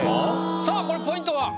さあこれポイントは？